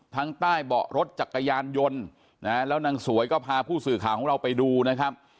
ใต้เบาะรถจักรยานยนต์นะฮะแล้วนางสวยก็พาผู้สื่อข่าวของเราไปดูนะครับ